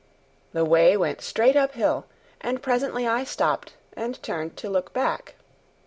The way went straight uphill, and presently I stopped and turned to look back.